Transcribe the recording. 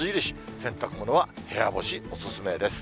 洗濯物は部屋干し、お勧めです。